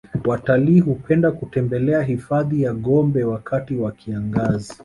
watalii hupenda kutembelea hifadhi ya gombe wakati wa kiangazi